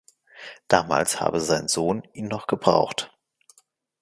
Damals habe sein Sohn ihn noch gebraucht.